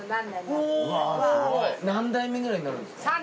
何代目ぐらいになるんですか？